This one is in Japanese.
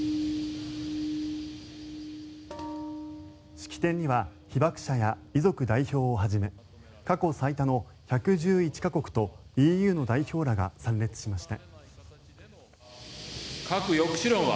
式典には被爆者や遺族代表をはじめ過去最多の１１１か国とＥＵの代表らが参列しました。